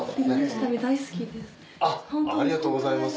ありがとうございます。